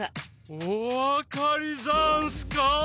お分かりざんすか？